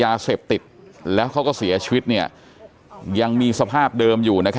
จริงจริงจริงจริงจริงจริง